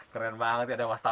keren banget ya ada wastaf